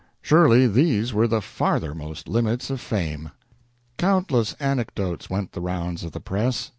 Surely these were the farthermost limits of fame. Countless anecdotes went the rounds of the press.